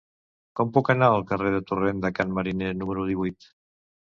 Com puc anar al carrer del Torrent de Can Mariner número divuit?